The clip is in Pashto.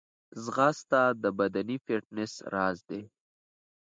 ځغاسته د بدني فټنس راز دی